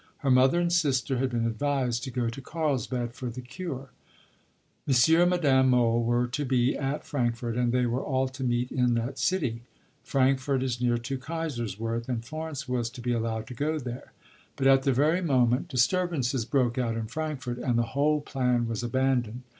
Her mother and sister had been advised to go to Carlsbad for the cure. M. and Madame Mohl were to be at Frankfurt, and they were all to meet in that city. Frankfurt is near to Kaiserswerth, and Florence was to be allowed to go there. But at the very moment disturbances broke out in Frankfurt, and the whole plan was abandoned.